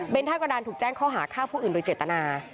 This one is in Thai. เป็นท่ากระดานถูกแจ้งข้อหาฆ่าผู้อื่นโดยเจตนา